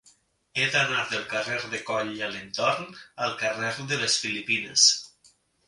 He d'anar del carrer de Coll i Alentorn al carrer de les Filipines.